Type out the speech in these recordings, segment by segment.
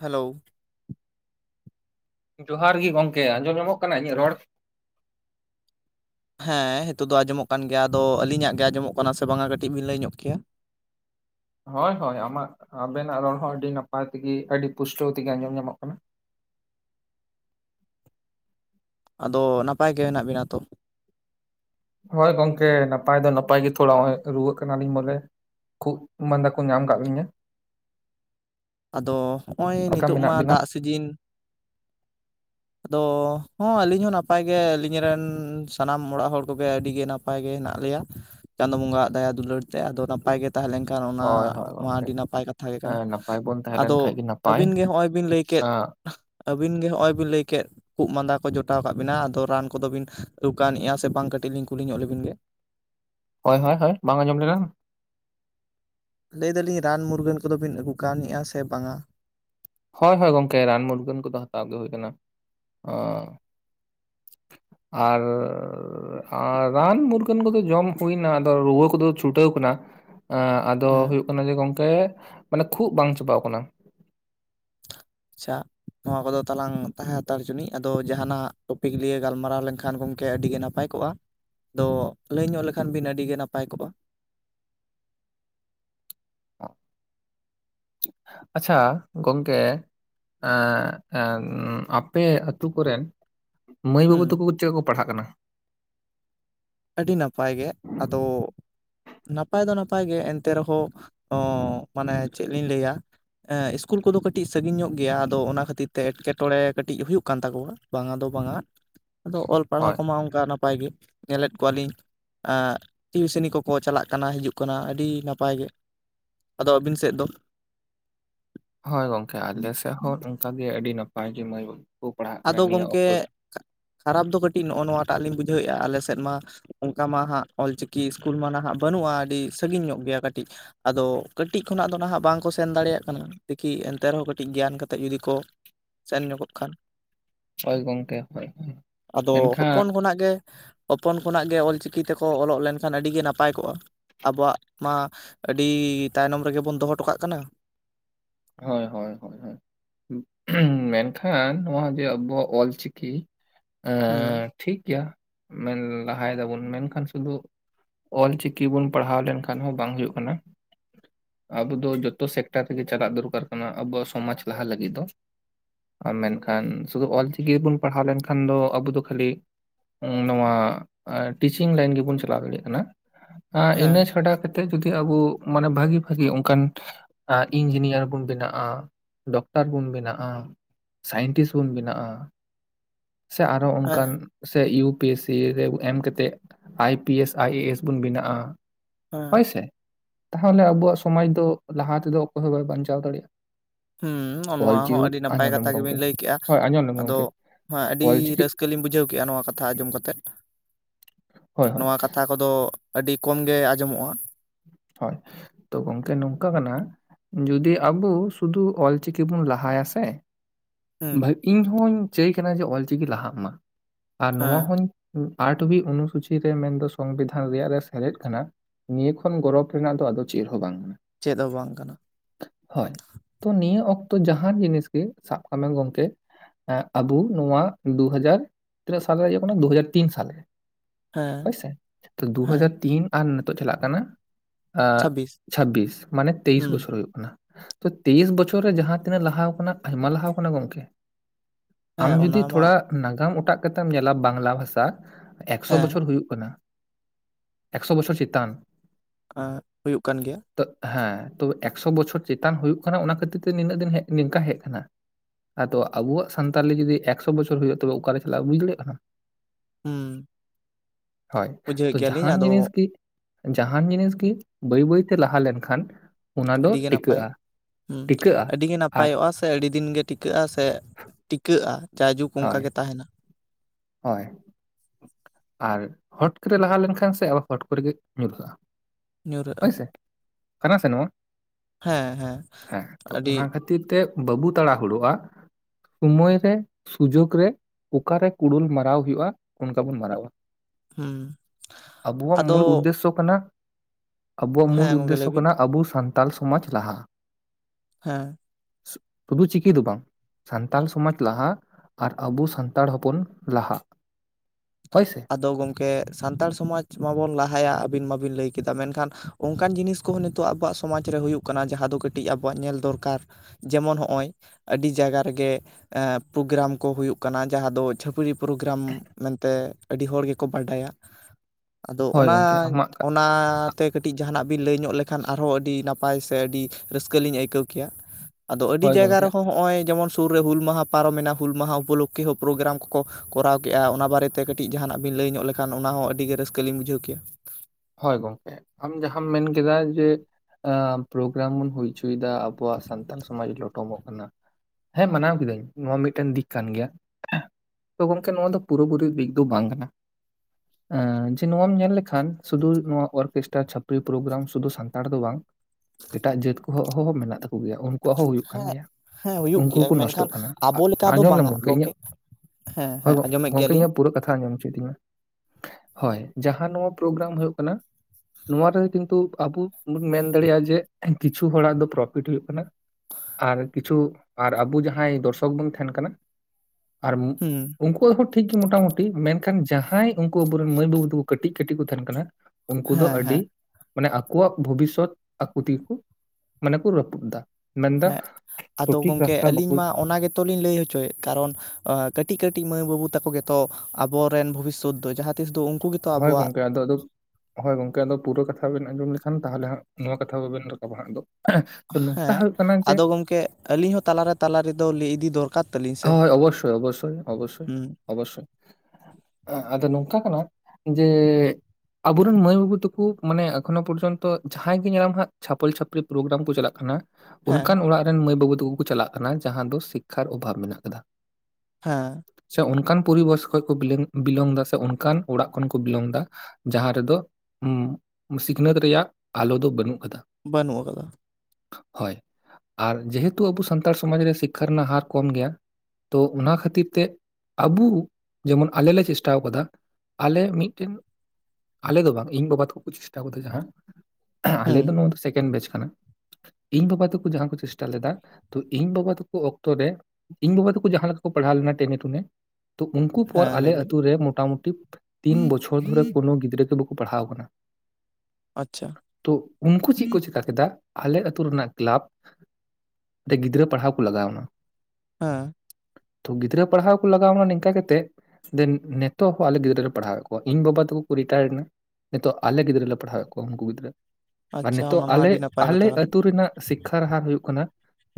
Hello ᱡᱚᱦᱟᱨ ᱜᱤ ᱜᱚᱝᱠᱮ ᱟᱸᱡᱚᱢ ᱧᱟᱢᱚᱜ ᱠᱟᱱᱟ ᱤᱧᱟᱹᱜ ᱨᱚᱲ ᱦᱮᱸ ᱱᱤᱛᱚᱜ ᱫᱚ ᱟᱸᱡᱚᱢᱚᱜ ᱠᱟᱱ ᱜᱮᱭᱟ ᱟᱫᱚ ᱟᱹᱞᱤᱧᱟᱜ ᱜᱮ ᱟᱸᱡᱚᱢᱚᱜ ᱠᱟᱱᱟ ᱥᱮ ᱵᱟᱝ ᱠᱟᱹᱴᱤᱡ ᱵᱤᱱ ᱞᱟᱹᱭ ᱧᱚᱜ ᱠᱮᱭᱟ ᱦᱳᱭ ᱦᱳᱭ ᱟᱢᱟᱜ ᱟᱵᱮᱱᱟᱜ ᱨᱚᱲ ᱦᱚᱸ ᱟᱹᱰᱤ ᱱᱟᱯᱟᱭ ᱛᱮᱜᱮ ᱟᱹᱰᱤ ᱯᱩᱥᱴᱟᱹᱣ ᱛᱮᱜᱮ ᱟᱸᱡᱚᱢ ᱧᱟᱢᱚᱜ ᱠᱟᱱᱟ ᱟᱫᱚ ᱱᱟᱯᱟᱭ ᱜᱮ ᱦᱮᱱᱟᱜ ᱵᱤᱱᱟ ᱛᱚ? ᱦᱳᱭ ᱜᱚᱝᱠᱮ ᱱᱟᱯᱟᱭ ᱫᱚ ᱱᱟᱯᱟᱭ ᱜᱮ, ᱛᱷᱚᱲᱟ ᱱᱚᱜᱼᱚᱭ ᱨᱩᱣᱟᱹᱜ ᱠᱟᱱᱟᱞᱤᱧ ᱵᱚᱞᱮ ᱠᱷᱩᱜ ᱢᱟᱸᱫᱟ ᱠᱚ ᱧᱟᱢ ᱠᱟᱫ ᱞᱤᱧᱟ ᱾ ᱟᱫᱚ ᱦᱚᱸᱜᱼᱚᱭ ᱱᱤᱛᱳᱜ ᱢᱟ ᱵᱤᱱᱟ? ᱫᱟᱜ ᱥᱤᱡᱤᱱ [inaudible] ᱟᱫᱚ ᱦᱚᱸ ᱟᱹᱞᱤᱧ ᱦᱚᱸ ᱱᱟᱯᱟᱭ ᱜᱮ ᱟᱹᱞᱤᱧ ᱨᱮᱱ ᱥᱟᱱᱟᱢ ᱚᱲᱟᱜ ᱦᱚᱲ ᱠᱚᱜᱮ ᱟᱹᱰᱤᱜᱮ ᱱᱟᱯᱟᱭ ᱱᱟᱯᱟᱭ ᱜᱮ ᱦᱮᱱᱟᱜ ᱞᱮᱭᱟ ᱪᱟᱸᱫᱩ ᱵᱚᱸᱜᱟᱣᱟᱜ ᱫᱟᱭᱟ ᱫᱩᱞᱟᱹᱲ ᱛᱮ ᱟᱫᱚ ᱱᱟᱯᱟᱭ ᱜᱮ ᱛᱟᱦᱮᱸ ᱞᱮᱱᱠᱷᱟᱱ ᱚᱱᱟ ᱦᱳᱭ ᱦᱳᱭ ᱢᱟ ᱜᱚᱝᱠᱮ ᱟᱹᱰᱤ ᱱᱟᱯᱟᱭ ᱠᱟᱛᱷᱟ ᱜᱮ ᱠᱟᱱᱟ ᱮᱸ ᱱᱟᱯᱟᱭ ᱵᱚᱱ ᱛᱟᱦᱮᱸ ᱞᱮᱱ ᱟᱫᱚ ᱠᱷᱟᱡ ᱜᱮ ᱱᱟᱯᱟᱭ ᱟᱹᱵᱤᱱ ᱜᱮ ᱦᱚᱸᱜ-ᱚᱭ ᱵᱤᱱ ᱞᱟᱹᱭ ᱠᱮᱫ, ᱮᱸ ᱟᱹᱵᱤᱱ ᱜᱮ ᱦᱚᱸᱜ-ᱚᱭ ᱵᱤᱱ ᱞᱟᱹᱭ ᱠᱮᱫ, ᱠᱷᱩᱜ ᱢᱟᱸᱫᱟ ᱠᱚ ᱡᱚᱴᱟᱣ ᱠᱟᱜ ᱵᱤᱱᱟ ᱟᱫᱚ ᱨᱟᱱ ᱠᱚᱫᱚ ᱵᱤᱱ ᱨᱩᱠᱟᱱᱮᱜ-ᱟ ᱥᱮ ᱵᱟᱝ ᱠᱟᱹᱴᱤᱡ ᱞᱤᱧ ᱠᱩᱞᱤ ᱧᱚᱜ ᱞᱮᱵᱤᱱ ᱜᱮ ᱦᱳᱭ ᱦᱳᱭ ᱦᱳᱭ ᱵᱟᱝ ᱟᱸᱡᱚᱢ ᱞᱮᱱᱟ ᱞᱟᱹᱭ ᱫᱟᱞᱤᱧ ᱨᱟᱱ ᱢᱩᱨᱜᱟᱹᱱ ᱠᱚᱫᱚ ᱵᱤᱱ ᱟᱹᱜᱩᱠᱟᱱᱮᱜ-ᱟ ᱥᱮ ᱵᱟᱝᱟ ᱦᱳᱭ ᱦᱳᱭ ᱜᱚᱝᱠᱮ ᱨᱟᱱ ᱢᱩᱨᱜᱟᱹᱱ ᱠᱚᱫᱚ ᱦᱟᱛᱟᱣ ᱜᱮ ᱦᱩᱭ ᱟᱠᱟᱱᱟ ᱚᱸ᱾ ᱟᱨ ᱨᱟᱱ ᱢᱩᱨᱜᱟᱹᱱ ᱠᱚᱫᱚ ᱡᱚᱢ ᱦᱩᱭᱱᱟ ᱟᱫᱚ ᱨᱩᱣᱟᱹ ᱠᱚᱫᱚ ᱪᱷᱩᱴᱟᱹᱣ ᱠᱟᱱᱟ ᱟ ᱟᱫ ᱫᱚ ᱦᱩᱸ ᱦᱩᱭᱩᱜ ᱠᱟᱱᱟ ᱡᱮ ᱜᱚᱝᱠᱮ ᱢᱟᱱᱮ ᱠᱷᱩᱜ ᱵᱟᱝ ᱪᱟᱵᱟᱣ ᱠᱟᱱᱟ᱾ ᱟᱪᱪᱷᱟ ᱱᱚᱣᱟ ᱠᱚᱫᱚ ᱛᱟᱞᱟᱝ ᱛᱟᱦᱮᱸ ᱦᱟᱛᱟᱲ ᱩᱪᱩᱱᱤ ᱟᱫᱚ ᱡᱟᱦᱟᱱᱟᱜ ᱴᱚᱯᱤᱠ ᱞᱤᱭᱮ ᱜᱟᱞᱢᱟᱨᱟᱣ ᱞᱮᱱᱠᱷᱟᱱ ᱜᱚᱢᱠᱮ ᱟᱹᱰᱤ ᱜᱮ ᱱᱟᱯ ᱱᱟᱯᱟᱭ ᱠᱚᱜᱼᱟ ᱟᱫᱚ ᱞᱟᱹᱭ ᱧᱚᱜ ᱞᱮᱠᱷᱟᱱ ᱵᱤᱱ ᱟᱹᱰᱤᱜᱮ ᱱᱟᱯᱟᱭ ᱠᱚᱜᱼᱟ᱾ ᱟᱪᱪᱷᱟ ᱜᱚᱝᱠᱮ᱾ ᱮᱸ ᱟᱯᱮ ᱟᱛᱩ ᱠᱚᱨᱮᱱ ᱢᱟᱹᱭ ᱵᱟᱹᱵᱩ ᱦᱩᱸ ᱛᱟᱠᱚ ᱪᱤᱠᱟ ᱠᱚ ᱯᱟᱲᱦᱟᱜ ᱠᱟᱱᱟ? ᱟᱹᱰᱤ ᱱᱟᱯᱟᱭ ᱜᱮ ᱟᱫᱚ ᱱᱟᱯᱟᱭ ᱫᱚ ᱱᱟᱯᱟᱭ ᱜᱮᱭᱟ ᱮᱱᱛᱮ ᱨᱮᱦᱚᱸ ᱢᱟᱱᱮ ᱪᱮᱫ ᱞᱤᱧ ᱞᱟᱹᱭᱟ ᱮᱸ ᱤᱥᱠᱩᱞ ᱠᱚᱫᱚ ᱠᱟᱹᱴᱤᱡ ᱥᱟᱺᱜᱤᱧ ᱧᱚᱜ ᱜᱮᱭᱟ ᱟᱫᱚ ᱚᱱᱟ ᱠᱷᱟᱹᱛᱤᱨ ᱛᱮ ᱮᱴᱠᱮᱴᱚᱬᱮ ᱠᱟᱹᱴᱤᱡ ᱦᱩᱭᱩᱜ ᱠᱟᱱ ᱛᱟᱠᱚᱣᱟ᱾ ᱵᱟᱝ ᱫᱚ ᱵᱟᱝᱟ ᱟᱫᱚ ᱚᱞ ᱯᱟᱲᱦᱟᱣ ᱦᱳᱭ ᱠᱚᱢᱟ ᱚᱱᱠᱟ ᱱᱟᱯᱟᱭ ᱜᱮ᱾ ᱧᱮᱞᱮᱜ ᱠᱚᱣᱟᱞᱤᱧ ᱴᱤᱭᱩᱥᱤᱱᱤ ᱠᱚᱠᱚ ᱪᱟᱞᱟᱜ ᱠᱟᱱᱟ ᱦᱤᱡᱩᱜ ᱠᱟᱱᱟ ᱟᱹᱰᱤ ᱱᱟᱯᱟᱭ ᱜᱮ᱾ ᱟᱫᱚ ᱟᱹᱵᱤᱱ ᱥᱮᱫ ᱫᱚ? ᱦᱳᱭ ᱜᱚᱝᱠᱮ ᱟᱞᱮ ᱥᱮᱫ ᱦᱚᱸ ᱱᱚᱝᱠᱟ ᱜᱮ ᱟᱹᱰᱤ ᱱᱟᱯᱟᱭ ᱜᱮ ᱢᱟᱹᱭ ᱵᱟᱹᱵᱩ᱾ ᱠᱚ ᱯᱟᱲᱦᱟᱜ ᱠᱟᱱᱟ ᱟᱫᱚ ᱱᱤᱭᱟᱹ ᱜᱚᱢᱠᱮ ᱚᱠᱛᱚ ᱫᱚ ᱠᱷᱟᱨᱟᱯ ᱫᱚ ᱠᱟᱹᱴᱤᱡ ᱱᱚᱜᱼᱚᱭ ᱱᱚᱣᱟᱴᱟᱜ ᱞᱤᱧ ᱵᱩᱡᱷᱟᱹᱣᱮᱫᱼᱟ ᱟᱞᱮ ᱥᱮᱫ ᱢᱟ ᱚᱝᱠᱟ ᱢᱟ ᱦᱟᱸᱜ ᱚᱞᱪᱤᱠᱤ ᱤᱥᱠᱩᱞ ᱢᱟ ᱱᱟᱦᱟᱸᱜ ᱵᱟᱹᱱᱩᱜᱼᱟ ᱟᱹᱰᱤ ᱥᱟᱺᱜᱤᱧ ᱧᱚᱜ ᱜᱮᱭᱟ ᱠᱟᱹᱴᱤᱡ᱾ ᱟᱫᱚ ᱠᱟᱹᱴᱤᱡ ᱠᱷᱚᱱᱟᱜ ᱫᱚ ᱱᱟᱦᱟᱜ ᱵᱟᱝᱠᱚ ᱥᱮᱱ ᱫᱟᱲᱮᱭᱟᱜ ᱠᱟᱱᱟ ᱫᱤᱠᱤ ᱮᱱᱛᱮ ᱨᱮᱦᱚᱸ ᱠᱟᱹᱴᱤᱡ ᱜᱮᱭᱟᱱ ᱠᱟᱛᱮᱫ ᱡᱩᱫᱤ ᱠᱚ ᱥᱮᱱ ᱧᱚᱜᱚᱜ ᱠᱷᱟᱱ᱾ ᱦᱳᱭ ᱜᱚᱝᱠᱮ ᱦᱳᱭ ᱦᱳᱭ᱾ ᱟᱫᱚ ᱢᱮᱱᱠᱷᱟᱱ ᱦᱚᱯᱚᱱ ᱠᱷᱚᱱᱟᱜ ᱜᱮ, ᱦᱚᱯᱚᱱ ᱠᱷᱚᱱᱟᱜ ᱜᱮ ᱚᱞᱪᱤᱠᱤ ᱛᱮᱠᱚ ᱚᱞᱚᱜ ᱞᱮᱱᱠᱷᱟᱱ ᱟᱹᱰᱤᱜᱮ ᱱᱟᱯᱟᱭ ᱠᱚᱜ-ᱟ᱾ ᱟᱵᱚᱣᱟᱜ ᱢᱟ ᱟᱹᱰᱤ ᱛᱟᱭᱱᱚᱢ ᱨᱮᱜᱮ ᱵᱚᱱ ᱫᱚᱦᱚ ᱦᱚᱴᱚᱠᱟᱜ ᱠᱟᱱᱟ᱾ ᱦᱳᱭ ᱦᱳᱭ ᱦᱳᱭ ᱢᱮᱱᱠᱷᱟᱱ ᱱᱚᱣᱟ ᱡᱮ ᱟᱵᱚᱣᱟᱜ ᱚᱞ ᱪᱤᱠᱤ ᱾ ᱮᱸ ᱦᱩᱸ ᱴᱷᱤᱠ ᱜᱮᱭᱟ ᱢᱮᱱ ᱞᱟᱦᱟᱭ ᱫᱟᱵᱚᱱ ᱢᱮᱱᱠᱷᱟᱱ ᱥᱩᱫᱩ ᱚᱞᱪᱤᱠᱤ ᱵᱚᱱ ᱯᱟᱲᱦᱟᱣ ᱞᱮᱱᱠᱷᱟᱱ ᱦᱚᱸ ᱵᱟᱝ ᱦᱩᱭᱩᱜ ᱠᱟᱱᱟ᱾ ᱟᱵᱩ ᱫᱚ ᱡᱚᱛᱚ ᱥᱮᱠᱴᱟᱨ ᱨᱮᱜᱮ ᱪᱟᱞᱟᱜ ᱫᱚᱨᱠᱟᱨ ᱠᱟᱱᱟ ᱟᱵᱚᱣᱟᱜ ᱥᱚᱢᱟᱡᱽ ᱞᱟᱦᱟ ᱞᱟᱹᱜᱤᱫ ᱫᱚ᱾ ᱢᱮᱱᱠᱷᱟᱱ ᱥᱩᱫᱷᱩ ᱚᱞᱪᱤᱠᱤ ᱵᱚᱱ ᱯᱟᱲᱦᱟᱣ ᱞᱮᱱᱠᱷᱟᱱ ᱫᱚ ᱟᱵᱚ ᱫᱚ ᱠᱷᱟᱹᱞᱤ ᱱᱚᱣᱟ ᱴᱤᱪᱤᱝ ᱞᱟᱭᱤᱱ ᱜᱮᱵᱚᱱ ᱪᱟᱞᱟᱣ ᱫᱟᱲᱮᱭᱟᱜ ᱠᱟᱱᱟ᱾ ᱮ ᱤᱱᱟᱹ ᱦᱮᱸ ᱪᱷᱟᱰᱟ ᱠᱟᱛᱮᱜ ᱡᱚᱫᱤ ᱟᱵᱚ ᱢᱟᱱᱮ ᱵᱷᱟᱜᱤ ᱵᱷᱟᱜᱤ ᱚᱱᱠᱟᱱ ᱤᱧᱡᱤᱱᱤᱭᱟᱨ ᱵᱚᱱ ᱵᱮᱱᱟᱜᱼᱟ, ᱰᱚᱠᱴᱟᱨ ᱵᱚᱱ ᱵᱮᱱᱟᱜᱼᱟ᱾ ᱥᱟᱭᱮᱱᱴᱤᱥ ᱵᱚᱱ ᱵᱮᱱᱟᱜᱼᱟ, ᱥᱮ ᱟᱨᱚ ᱦᱮᱸ ᱚᱱᱠᱟᱱ ᱥᱮ ᱤᱭᱩ ᱯᱤᱥ ᱥᱤ ᱨᱮ ᱮᱢᱛᱮᱫ I P S I A S ᱵᱚᱱ ᱵᱮᱱᱟᱜᱼᱟ᱾ ᱦᱮᱸ ᱦᱳᱭᱥᱮ, ᱛᱟᱦᱞᱮ ᱟᱵᱚᱣᱟᱜ ᱥᱚᱢᱟᱡ ᱫᱚ ᱞᱟᱦᱟ ᱛᱮᱫᱚ ᱚᱠᱚᱭ ᱦᱚᱸ ᱵᱟᱭ ᱵᱟᱧᱪᱟᱣ ᱫᱟᱲᱮᱭᱟᱜᱼᱟ᱾ ᱦᱩᱸ ᱱᱚᱣᱟ ᱚᱞᱪᱤᱠᱤ ᱦᱚᱸ ᱟᱹᱰᱤ ᱱᱟᱯᱟᱭ ᱟᱸᱡᱚᱢ ᱞᱮᱢ ᱠᱟᱛᱷᱟ ᱜᱚᱝᱠᱮ ᱜᱮᱵᱤᱱ ᱞᱟᱹᱭ ᱠᱮᱫᱼᱟ ᱦᱳᱭ ᱟᱸᱡᱚᱢ ᱞᱮᱢ ᱟᱫᱚ ᱜᱚᱝᱠᱮ ᱟᱹᱰᱤ ᱚᱞᱪᱤᱠᱤ ᱨᱟᱹᱥ ᱪᱤᱧ ᱵᱩᱡᱷᱟᱹᱣ ᱠᱮᱫᱼᱟ ᱱᱚᱣᱟ ᱠᱟᱛᱷᱟ ᱟᱸᱡᱚᱢ ᱠᱟᱛᱮᱫ, ᱦᱳᱭ ᱦᱳᱭ ᱱᱚᱣᱟ ᱠᱟᱛᱷᱟ ᱠᱚᱫᱚ ᱫᱚ ᱟᱹᱰᱤ ᱠᱚᱢ ᱜᱮ ᱟᱸᱡᱚᱢᱚᱜᱼᱟ᱾ ᱦᱳᱭ ᱛᱚ ᱜᱚᱝᱠᱮ ᱱᱚᱝᱠᱟ ᱠᱟᱱᱟ ᱡᱩᱫᱤ ᱟᱵᱩ ᱥᱩᱫᱩ ᱚᱞᱪᱤᱠᱤ ᱵᱚᱱ ᱞᱟᱦᱟᱭᱟ ᱥᱮ᱾ ᱦᱩᱸ ᱤᱧ ᱦᱚᱧ ᱪᱟᱹᱭ ᱠᱟᱱᱟ ᱡᱮ ᱚᱞᱪᱤᱠᱤ ᱞᱟᱦᱟᱜ ᱢᱟ, ᱟᱨ ᱱᱚᱣᱟ ᱦᱮᱸ ᱦᱚᱧ ᱟᱴᱵᱤ ᱚᱱᱩᱥᱩᱪᱤ ᱨᱮ ᱢᱮᱱᱫᱚ ᱥᱚᱝᱵᱤᱫᱷᱟᱱ ᱨᱮᱭᱟᱜ ᱨᱮ ᱥᱮᱞᱮᱫ ᱠᱟᱱᱟ ᱱᱤᱭᱟᱹ ᱜᱚᱨᱚᱵᱽ ᱨᱮᱱᱟᱜ ᱫᱚ ᱟᱫᱚ ᱪᱮᱫ ᱦᱚᱸ ᱵᱟᱝ ᱠᱟᱱᱟ᱾ ᱪᱮᱫ ᱦᱚᱸ ᱵᱟᱝ ᱠᱟᱱᱟ᱾ ᱦᱳᱭ ᱛᱚ ᱱᱤᱭᱟᱹ ᱚᱠᱛᱚ ᱡᱟᱦᱟᱱ ᱡᱤᱱᱤᱥ ᱜᱮ ᱥᱟᱵ ᱠᱟᱜ ᱢᱮ ᱜᱚᱢᱠᱮ ᱦᱮᱸ ᱟᱵᱚ ᱱᱚᱣᱟ ᱫᱩ ᱦᱟᱡᱟᱨ ᱛᱤᱱᱟᱹᱜ ᱥᱟᱞᱨᱮ ᱦᱩᱭᱩᱜ ᱠᱟᱱᱟ ᱫᱩ ᱦᱟᱡᱟᱨ ᱛᱤᱱ ᱥᱟᱞᱨᱮ᱾ ᱦᱮᱸ ᱦᱳᱭᱥᱮ, ᱫᱩ ᱦᱮᱸ ᱦᱟᱡᱟᱨ ᱛᱤᱱ ᱟᱨ ᱱᱤᱛᱳ ᱪᱟᱞᱟᱜ ᱠᱟᱱᱟ᱾ ᱪᱷᱟᱵᱵᱤᱥ ᱪᱷᱟᱵᱤᱥ ᱢᱟᱱᱮ ᱛᱮᱭᱤᱥ ᱦᱩᱸ ᱵᱚᱪᱷᱚᱨ ᱦᱩᱭᱩᱜ ᱠᱟᱱᱟ᱾ ᱛᱚ ᱛᱮᱭᱤᱥ ᱵᱚᱪᱷᱚᱨ ᱨᱮ ᱡᱟᱦᱟᱸ ᱛᱤᱱᱟᱹᱜ ᱞᱟᱦᱟᱣ ᱟᱠᱟᱱᱟ ᱟᱭᱢᱟ ᱞᱟᱦᱟᱣ ᱟᱠᱟᱱᱟ ᱜᱚᱝᱠᱮ᱾ ᱟᱢ ᱦᱮᱸ ᱚᱱᱟ ᱡᱩᱚᱫᱤ ᱢᱟ ᱛᱷᱚᱲᱟ ᱱᱟᱜᱟᱢ ᱚᱴᱟᱜ ᱠᱟᱛᱮᱢ ᱧᱮᱞᱟ ᱵᱟᱝᱞᱟ ᱵᱷᱟᱥᱟ ᱮᱠᱥᱚ ᱦᱮᱸ ᱵᱚᱪᱷᱚᱨ ᱦᱩᱭᱩᱜ ᱮᱠᱥᱚ ᱵᱚᱪᱷᱚᱨ ᱪᱮᱛᱟᱱ᱾ ᱦᱩᱭᱩᱜ ᱠᱟᱱ ᱜᱮᱭᱟ᱾ ᱛᱚ ᱦᱮᱸ ᱛᱚᱵᱮ ᱮᱠᱥᱚ ᱵᱚᱪᱷᱚᱨ ᱪᱮᱛᱟᱱ ᱦᱩᱭᱩᱜ ᱠᱟᱱᱟ ᱚᱱᱟ ᱠᱷᱟᱹᱛᱤᱨ ᱛᱮ ᱱᱤᱱᱟᱹᱜ ᱫᱤᱱ ᱱᱤᱝᱠᱟ ᱦᱮᱜ ᱠᱟᱱᱟ᱾ ᱟᱫᱚ ᱟᱵᱚᱣᱟᱜ ᱥᱟᱱᱛᱟᱞᱤ ᱡᱚᱫᱤ ᱮᱠᱥᱚ ᱵᱚᱪᱷᱚᱨ ᱦᱩᱭᱩᱜᱼᱟ ᱛᱚᱵᱮ ᱚᱟᱨᱮ ᱪᱟᱞᱟᱜ ᱵᱩᱡ ᱫᱟᱲᱮᱭᱟᱜ ᱠᱟᱱᱟᱢ᱾ ᱦᱩᱸ ᱦᱳᱭ ᱵᱩᱡᱷᱟᱹᱣᱮᱫ ᱛᱚ ᱜᱮᱭᱟᱞᱤᱧ ᱡᱟᱦᱟᱱ ᱟᱫᱚ ᱡᱤᱱᱤᱥ ᱠᱤ ᱡᱟᱦᱟᱱ ᱡᱤᱱᱤᱥ ᱜᱮ ᱵᱟᱹᱭ ᱵᱟᱹᱭᱛᱮ ᱞᱟᱦᱟ ᱞᱮᱱᱠᱷᱟᱱ ᱚᱱᱟ ᱫᱚ ᱟᱹᱰᱤ ᱜᱮ ᱱᱟᱯᱟᱭ ᱴᱤᱠᱟᱹᱜᱼᱟ ᱦᱸ ᱴᱤᱠᱟᱹᱜᱼᱟ ᱟᱹᱰᱤ ᱜᱮ ᱟᱨ ᱱᱟᱯᱟᱭᱚᱜᱼᱟ᱾ ᱥᱮ ᱟᱹᱰᱤ ᱫᱤᱱ ᱜᱮ ᱴᱤᱠᱟᱹᱜᱼᱟ ᱥᱮ ᱴᱤᱠᱟᱹᱜᱼᱟ ᱡᱟᱭᱡᱩᱜᱽ ᱚᱱᱠᱟ ᱦᱳᱭ ᱜᱮ ᱛᱟᱦᱮᱱᱟ᱾ ᱦᱳᱭ ᱟᱨ ᱦᱚᱴ ᱠᱚᱨᱮ ᱞᱟᱜᱟᱣ ᱞᱮᱱᱠᱷᱟᱱ ᱥᱮ ᱟᱵᱟᱨ ᱦᱚᱴ ᱠᱚᱨᱮᱜᱮ ᱧᱩᱨᱦᱟᱹᱜᱼᱟ᱾ ᱧᱩᱨᱦᱟᱹᱜᱼᱟ ᱦᱳᱭᱥᱮ ᱠᱟᱱᱟ ᱥᱮ ᱱᱚᱣᱟ, ᱦᱮᱸ ᱛᱚ ᱟᱹᱰᱤ ᱚᱱᱟ ᱠᱷᱟᱹᱛᱤᱨ ᱠᱷᱟᱹᱛᱤᱨ ᱛᱮ ᱵᱟᱹᱵᱩ ᱛᱟᱲᱟᱦᱩᱚᱜᱼᱟ᱾ ᱥᱳᱢᱳᱭ ᱨᱮ ᱥᱩᱡᱳᱜᱽ ᱨᱮ ᱚᱠᱟᱨᱮ ᱠᱩᱰᱩᱞ ᱢᱟᱨᱟᱣ ᱦᱩᱭᱩᱜᱼᱟ ᱚᱱᱠᱟ ᱵᱚᱱ ᱢᱟᱨᱟᱣᱟ᱾ ᱦᱩᱸ ᱟᱵᱚᱣᱟᱜ ᱟᱫᱚ ᱢᱩᱞ ᱩᱫᱽᱫᱮᱥᱥᱚ ᱠᱟᱱᱟ᱾ ᱟᱵᱚᱣᱟᱜ ᱢᱩᱞ ᱦᱮᱸ ᱜᱚᱝᱠᱮ ᱩᱫᱽᱫᱮᱥᱥᱚ ᱞᱟᱹᱭ ᱵᱤᱱ ᱠᱟᱱᱟ ᱟᱵᱚ ᱥᱟᱱᱛᱟᱞ ᱥᱚᱢᱟᱡ ᱞᱟᱦᱟ᱾ ᱦᱮᱸ ᱥᱩᱫᱩ ᱪᱤᱠᱤ ᱫᱚ ᱵᱟᱝ ᱥᱟᱱᱛᱟᱲ ᱥᱚᱢᱟᱡᱽ ᱞᱟᱦᱟ ᱟᱨ ᱟᱵᱚ ᱥᱟᱱᱛᱟᱲ ᱦᱚᱯᱚᱱ ᱞᱟᱦᱟ᱾ ᱦᱳᱭ ᱥᱮ ᱟᱫᱚ ᱜᱚᱝᱠᱮ [unintelligible] ᱥᱟᱱᱛᱟᱲ ᱥᱚᱢᱟᱡᱽ ᱢᱟᱵᱚᱱ ᱞᱟᱦᱟᱭᱟ ᱟᱹᱵᱤᱱ ᱢᱟᱵᱤᱱ ᱞᱟᱹᱭ ᱠᱮᱫᱟ ᱢᱮᱱᱠᱷᱟᱱ ᱚᱱᱠᱟᱱ ᱡᱤᱱᱤᱥ ᱠᱚᱦᱚᱸ ᱱᱤᱛᱚᱜ ᱟᱵᱚᱣᱟᱜ ᱥᱚᱢᱟᱡᱽ ᱨᱮ ᱦᱩᱭᱩᱜ ᱠᱟᱱᱟ ᱡᱟᱦᱟᱸ ᱫᱚ ᱠᱟᱹᱴᱤᱡ ᱟᱵᱚᱣᱟᱜ ᱧᱮᱞ ᱫᱚᱨᱠᱟᱨ ᱡᱮᱢᱚᱱ ᱱᱚᱜᱼᱚᱭ ᱟᱹᱰᱤ ᱡᱟᱭᱜᱟ ᱨᱮᱜᱮ ᱯᱨᱳᱜᱨᱟᱢ ᱠᱚ ᱦᱩᱭᱩᱜ ᱠᱟᱱᱟ ᱡᱟᱦᱟᱸ ᱫᱚ ᱪᱷᱟᱹᱯᱲᱤ ᱯᱨᱳᱜᱨᱟᱢ ᱢᱮᱱᱛᱮ ᱛᱮ ᱟᱹᱰᱤ ᱦᱚᱲ ᱜᱮᱠᱚ ᱵᱟᱰᱟᱭᱟ, ᱟᱫᱚ ᱦᱳᱭ ᱚᱱᱟ ᱜᱚᱝᱠᱮ ᱟᱢᱟᱜ ᱠᱟ- ᱚᱱᱟᱛᱮ ᱠᱟᱹᱴᱤᱡ ᱡᱟᱦᱟᱱᱟᱜ ᱵᱤᱱ ᱞᱟᱹᱭ ᱧᱚᱜ ᱞᱮᱠᱷᱟᱱ ᱟᱨᱦᱚᱸ ᱟᱹᱰᱤ ᱱᱟᱯᱟᱭ ᱥᱮ ᱟᱹᱰᱤ ᱨᱟᱹᱥᱠᱟᱹ ᱞᱤᱧ ᱟᱹᱭᱠᱟᱹᱣ ᱠᱮᱭᱟ᱾ [inaudible] ᱟᱫᱚ ᱟᱹᱰᱤ ᱡᱟᱭᱜᱟ ᱜᱚᱝᱠᱮ ᱨᱮᱦᱚᱸ ᱱᱚᱜᱼᱚᱭ ᱡᱮᱢᱚᱱ ᱥᱩᱨ ᱨᱮ ᱦᱩᱞ ᱢᱟᱦᱟ ᱯᱟᱨᱚᱢᱮᱱᱟ ᱦᱩᱞ ᱢᱟᱦᱟ ᱩᱯᱚᱞᱚᱠᱠᱷᱮ ᱦᱚᱸ ᱯᱨᱳᱜᱨᱟᱢ ᱠᱚᱠᱚ ᱠᱚᱨᱟᱣ ᱠᱮᱫᱼᱟ ᱚᱱᱟ ᱵᱟᱨᱮᱛᱮ ᱛᱮ ᱠᱟᱹᱴᱤᱡ ᱡᱟᱦᱟᱱᱟᱜ ᱵᱤᱱ ᱞᱟᱹᱭ ᱧᱚᱜ ᱞᱮᱠᱷᱟᱱ ᱚᱱᱟ ᱦᱚᱸ ᱟᱹᱰᱤ ᱨᱟᱹᱥᱠᱟᱹ ᱞᱤᱧ ᱵᱩᱡᱷᱟᱹᱣ ᱠᱮᱭᱟ᱾ ᱦᱳᱭ ᱜᱚᱝᱠᱮ ᱟᱢ ᱡᱟᱦᱟᱸᱟᱢ ᱢᱮᱱᱠᱟ ᱡᱮ ᱯᱨᱳᱜᱨᱟᱢ ᱵᱚᱱ ᱦᱩᱭ ᱦᱚᱪᱚᱭᱫᱟ ᱟᱵᱚᱣᱟᱜ ᱥᱟᱱᱛᱟᱞ ᱥᱚᱢᱟᱡᱽ ᱞᱚᱴᱚᱢᱚᱜ ᱠᱟᱱᱟ ᱦᱮᱸ ᱢᱟᱱᱟᱣ ᱠᱤᱫᱟᱹᱧ ᱱᱚᱣᱟ ᱢᱤᱫᱴᱮᱱ ᱫᱤᱠ ᱠᱟᱱ ᱜᱮᱭᱟ ᱛᱚ ᱜᱚᱝᱠᱮ ᱱᱚᱣᱟ ᱫᱚ ᱯᱩᱨᱟᱹᱯᱩᱨᱤ ᱫᱤᱠ ᱫᱚ ᱵᱟᱝ ᱠᱟᱱᱟ ᱡᱮ ᱱᱚᱣᱟᱢ ᱧᱮᱞ ᱞᱮᱠᱷᱟᱱ ᱥᱩᱫᱩ ᱱᱚᱣᱟ ᱚᱨᱠᱮᱥᱴᱨᱟ ᱪᱷᱟᱯᱨᱤ ᱯᱨᱳᱜᱨᱟᱢ ᱥᱩᱫᱷᱩ ᱥᱟᱱᱛᱟᱲ ᱫᱚ ᱵᱟᱝ ᱮᱴᱟᱜ ᱡᱟᱹᱛ ᱠᱚ ᱦᱚᱸᱚᱸ ᱢᱮᱱᱟᱜ ᱛᱟᱠᱚ ᱜᱮᱭᱟ ᱩᱱᱠᱩ ᱩᱱᱠᱩᱣᱟᱜ ᱦᱚᱸ ᱦᱩᱭᱩᱜ ᱠᱟᱱ ᱦᱮᱸ ᱜᱮᱭᱟ ᱦᱮᱸ ᱦᱩᱭᱩᱜ ᱩᱱᱠᱩ ᱜᱮᱭᱟ ᱦᱚᱸᱠᱚ ᱱᱚᱥᱴᱚᱜ ᱢᱮᱱᱠᱷᱟᱱ ᱠᱟᱱᱟ ᱟᱵᱚ ᱞᱮᱠᱟ ᱫᱚ ᱟᱸᱡᱚᱢ ᱞᱮᱢ ᱵᱟᱝᱟ ᱜᱚᱢᱠᱮ ᱜᱚᱝᱠᱮ ᱤᱧᱟᱹᱜ ᱦᱮᱸ ᱦᱳᱭ ᱦᱮᱸ ᱟᱸᱡᱚᱢᱮᱫ ᱜᱚᱢᱠᱮ ᱜᱮᱭᱟᱞᱤᱧ ᱤᱧᱟᱹᱜ ᱯᱩᱨᱟᱹ ᱠᱟᱛᱷᱟ ᱟᱸᱡᱚᱢ ᱦᱚᱪᱚᱭᱛᱤᱧᱢᱮ ᱦᱳᱭ ᱡᱟᱦᱟᱸ ᱱᱚᱣᱟ ᱯᱨᱳᱜᱨᱟᱢ ᱦᱩᱭᱩᱜ ᱠᱟᱱᱟ ᱱᱚᱟᱨ ᱨᱮ ᱠᱤᱱᱛᱩ ᱟᱵᱚ ᱵᱚᱱ ᱢᱮᱱ ᱫᱟᱲᱮᱭᱟᱜᱼᱟ ᱡᱮ ᱠᱤᱪᱷᱩ ᱦᱚᱲᱟᱜ ᱫᱚ ᱯᱨᱚᱯᱷᱤᱴ ᱦᱩᱭᱩᱜ ᱠᱟᱱᱟ ᱟᱨ ᱠᱤᱪᱷᱩ ᱟᱨ ᱟᱵᱚ ᱡᱟᱦᱟᱸᱭ ᱫᱚᱨᱥᱚᱠ ᱵᱚᱱ ᱛᱟᱦᱮᱱ ᱠᱟᱱᱟ ᱟᱨ ᱦᱩᱸ ᱩᱱᱠᱩ ᱩᱱᱣᱟᱜ ᱦᱚᱸ ᱴᱷᱤᱠ ᱜᱮ ᱢᱚᱴᱟᱢᱩᱴᱤ ᱢᱮᱱᱠᱷᱟᱱ ᱡᱟᱦᱟᱸᱭ ᱩᱱᱠᱩ ᱟᱵᱚᱨᱮᱱ ᱢᱟᱹᱭ ᱵᱟᱹᱵᱩ ᱛᱟᱠᱚ ᱠᱟᱹᱴᱤᱡ ᱠᱟᱹᱴᱤᱡ ᱠᱚ ᱛᱟᱦᱮᱱ ᱠᱟᱱᱟ᱾ ᱩᱱᱠᱩ ᱫᱚ ᱦᱮᱸ ᱟᱹᱰᱤ ᱦᱮᱸ ᱢᱟᱱᱮ ᱟᱠᱚᱣᱟᱜ ᱵᱷᱚᱵᱤᱥᱚᱛ ᱟᱠᱚ ᱛᱮᱜᱮ ᱠᱚ ᱢᱟᱱᱮ ᱠᱚ ᱨᱟᱹᱯᱩᱫ ᱫᱟ ᱢᱮᱱᱫᱚ ᱦᱮᱸ ᱥᱚᱴᱷᱤᱠ ᱨᱟᱥᱛᱟ ᱵᱚᱠᱚ ᱡᱚᱛᱚ ᱞᱤᱧ ᱞᱟᱹᱭ ᱦᱚᱪᱚᱭᱮᱫ ᱠᱟᱨᱚᱱ ᱠᱟᱹᱴᱤᱡ ᱠᱟᱹᱴᱤᱡ ᱢᱟᱹᱭ ᱵᱟᱹᱵᱩ ᱛᱟᱠᱚ ᱜᱮᱛᱚ ᱟᱵᱚᱨᱮᱱ ᱵᱷᱚᱵᱤᱥᱚᱛ ᱫᱚ ᱡᱟᱦᱟᱸ ᱛᱤᱥ ᱫᱚ ᱩᱱ ᱦᱳᱭ ᱜᱚᱢᱠᱮ ᱟᱫᱚ [unintelligible] ᱦᱳᱭ ᱜᱚᱝᱠᱮ ᱟᱫᱚ ᱯᱩᱨᱟᱹ ᱠᱟᱛᱷᱟ ᱵᱮᱱ ᱟᱸᱡᱚᱢ ᱞᱮᱠᱷᱟᱱ ᱛᱟᱦᱚᱞᱮ ᱦᱟᱸᱜ ᱱᱚᱣᱟ ᱠᱟᱛᱷᱟ ᱵᱟᱵᱮᱱ ᱨᱟᱠᱟᱵᱟ ᱦᱟᱸᱜ ᱟᱫᱚ [unintelligible] ᱱᱚᱝᱠᱟ ᱦᱮᱸ ᱦᱩᱭᱩᱜ ᱠᱟᱱᱟ ᱡᱮ ᱟᱫᱚ ᱜᱚᱝᱠᱮ ᱟᱹᱞᱤᱧ ᱦᱚᱸ ᱛᱟᱞᱟᱨᱮ ᱛᱟᱞᱟ ᱨᱮᱫᱚ ᱞᱟᱹᱭ ᱤᱫᱤ ᱫᱚᱨᱼᱼ ᱦᱳᱭ ᱚᱵᱚᱥᱥᱚᱭ ᱚᱵᱚᱥᱥᱚᱭ ᱚᱵᱚᱥᱥᱚᱭ ᱦᱩᱸ ᱚᱵᱚᱥᱥᱚᱭ ᱟᱫᱚ ᱱᱚᱝᱠᱟ ᱠᱟᱱᱟ ᱡᱮ ᱟᱵᱚᱨᱮᱱ ᱢᱟᱹᱭ ᱵᱟᱹᱵᱩ ᱛᱟᱠᱚ ᱢᱟᱱᱮ ᱮᱠᱷᱚᱱᱳ ᱯᱚᱨᱡᱚᱱᱛᱚ ᱡᱟᱦᱟᱸᱭ ᱜᱮ ᱧᱮᱞᱟᱢ ᱦᱟᱸᱜ ᱪᱷᱟᱯᱚᱞ ᱪᱷᱟᱹᱯᱞᱤ ᱯᱨᱳᱜᱨᱟᱢ ᱠᱚ ᱪᱟᱞᱟᱜ ᱠᱟᱱᱟ ᱾ ᱦᱮᱸ ᱚᱱᱠᱟᱱ ᱚᱲᱟᱜ ᱨᱮᱱ ᱢᱟᱹᱭ ᱵᱟᱹᱵᱩ ᱛᱟᱠᱚ ᱠᱚ ᱪᱟᱞᱟᱜ ᱠᱟᱱᱟ ᱡᱟᱦᱟᱸ ᱫᱚ ᱥᱤᱠᱟᱨ ᱚᱵᱷᱟᱵᱽ ᱢᱮᱱᱟᱜ ᱠᱟᱫᱟ᱾ ᱦᱮᱸ ᱥᱮ ᱚᱱᱠᱟᱱ ᱯᱚᱨᱤᱵᱚᱥ ᱠᱷᱚᱡ ᱠᱚ ᱵᱤᱞᱚᱝ ᱫᱟ ᱥᱮ ᱚᱱᱠᱟᱱ ᱚᱲᱟᱜ ᱠᱷᱚᱱ ᱠᱚ ᱵᱤᱞᱚᱝ ᱫᱟ ᱡᱟᱦᱟᱸ ᱨᱮᱫᱚ ᱥᱤᱠᱷᱱᱟᱹᱛ ᱨᱮᱭᱟᱜ ᱟᱞᱚ ᱫᱚ ᱵᱟᱹᱱᱩᱜ ᱠᱟᱫᱟ ᱾ ᱵᱟᱹᱱᱩᱜ ᱟᱠᱟᱫᱟ᱾ ᱦᱳᱭ ᱟᱨ ᱡᱮᱦᱮᱛᱩ ᱟᱵᱚ ᱥᱟᱱᱛᱟᱲ ᱥᱚᱢᱟᱡᱽ ᱨᱮ ᱥᱤᱠᱠᱷᱟ ᱨᱮᱱᱟᱜ ᱦᱟᱨ ᱠᱚᱢ ᱜᱮᱭᱟ ᱛᱚ ᱚᱱᱟ ᱠᱷᱟᱹᱛᱤᱨ ᱛᱮ ᱟᱵᱚ ᱡᱮᱢᱚᱱ ᱟᱞᱮ ᱞᱮ ᱪᱮᱥᱴᱟ ᱠᱟᱫᱟ ᱟᱞᱮ ᱢᱤᱫᱴᱮᱱ ᱟᱞᱮ ᱫᱚ ᱵᱟᱝ ᱤᱧ ᱵᱟᱵᱟ ᱛᱟᱠᱚ ᱠᱚ ᱪᱮᱥᱴᱟ ᱠᱟᱫᱟ ᱡᱟᱦᱟᱸ ᱟᱞᱮ ᱫᱚ ᱦᱩᱸ ᱱᱚᱣᱟ ᱫᱚ ᱥᱮᱠᱮᱱᱰ ᱵᱮᱪ ᱠᱟᱱᱟ ᱤᱧ ᱵᱟᱵᱟ ᱛᱟᱠᱚ ᱡᱟᱦᱟᱸ ᱠᱚ ᱪᱮᱥᱴᱟ ᱞᱮᱫᱟ ᱛᱚ ᱤᱧ ᱵᱟᱵᱟ ᱛᱟᱠᱚ ᱚᱠᱛᱚ ᱨᱮ ᱤᱧ ᱵᱟᱵᱟ ᱛᱟᱠᱚ ᱡᱟᱦᱟᱸ ᱞᱮᱠᱟᱠᱚ ᱯᱟᱲᱦᱟᱣ ᱞᱮᱱᱟ ᱴᱮᱱᱮ ᱴᱩᱱᱮ ᱛᱚ ᱩᱱᱠᱩ ᱯᱚᱨ ᱦᱮᱸ ᱞᱟᱹᱭ ᱟᱞᱮ ᱵᱤᱱ? ᱟᱛᱩᱨᱮ ᱢᱚᱴᱟᱢᱩᱴᱤ ᱛᱤᱱ ᱵᱚᱪᱷᱚᱨ ᱫᱷᱚᱨᱮ ᱠᱳᱱᱳ ᱜᱤᱫᱽᱨᱟᱹ ᱜᱮ ᱵᱟᱹ ᱯᱟᱲᱦᱟᱣ ᱠᱟᱱᱟ ᱟᱪᱪᱷᱟ ᱛᱚ ᱩᱱᱠᱩ ᱪᱮᱫ ᱠᱚ ᱦᱮᱸ ᱪᱮᱠᱟ ᱠᱮᱫᱟ ᱟᱞᱮ ᱟᱛᱳ ᱨᱮᱱᱟᱜ ᱠᱞᱟᱵᱽ ᱨᱮ ᱜᱤᱫᱽᱨᱟᱹ ᱯᱟᱲᱦᱟᱣ ᱠᱚ ᱞᱟᱜᱟᱣᱮ ᱮᱱᱟ ᱦᱮᱸ ᱛᱚ ᱜᱤᱫᱽᱨᱟᱹ ᱯᱟᱲᱦᱟᱣ ᱠᱚ ᱞᱟᱜᱟᱣᱱᱟ ᱱᱤᱝᱠᱟ ᱠᱟᱛᱮᱫ ᱱᱤᱛᱚᱜ ᱦᱚᱸ ᱟᱞᱮ ᱜᱤᱫᱽᱨᱟᱹᱞᱮ ᱯᱟᱲᱦᱟᱣ ᱮᱫ ᱠᱚᱣᱟ ᱤᱧ ᱵᱟᱵᱟ ᱛᱟᱠᱚ ᱠᱚ ᱨᱤᱴᱟᱨ ᱮᱱᱟ ᱱᱤᱛᱚᱜ ᱟᱞᱮ ᱜᱤᱫᱽᱨᱟᱹᱞ ᱞᱮ ᱯᱟᱲᱦᱟᱣᱮᱫ ᱠᱚᱣᱟ ᱩᱱᱠᱩ ᱜᱤᱫᱽᱨᱟᱹ ᱟᱨ ᱟᱪᱪᱷᱟ ᱱᱤᱛᱚᱜ ᱚᱱᱟ ᱢᱟ ᱟᱞᱮ ᱟᱹᱰᱤ ᱱᱟᱯᱟᱭ ᱟᱞᱮ ᱠᱟᱛᱷᱟ ᱠᱟᱱᱟ᱾ ᱟᱹᱛᱩ ᱨᱮᱱᱟᱜ ᱥᱤᱠᱠᱷᱟᱟᱦᱟᱨᱳᱭᱜ ᱠᱟᱱᱟ